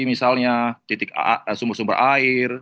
misalnya titik sumber sumber air